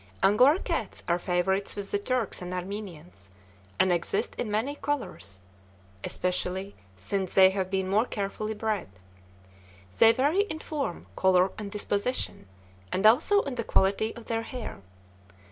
Angora cats are favorites with the Turks and Armenians, and exist in many colors, especially since they have been more carefully bred. They vary in form, color, and disposition, and also in the quality of their hair.